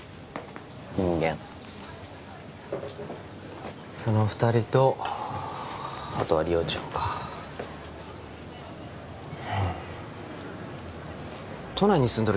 人間その二人とあとは梨央ちゃんかうん都内に住んどる